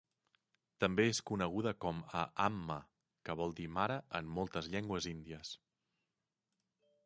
També és coneguda com a "Amma", que vol dir "mare" en moltes llengües índies.